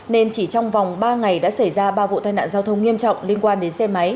nên chỉ trong vòng ba ngày đã xảy ra ba vụ tai nạn giao thông nghiêm trọng liên quan đến xe máy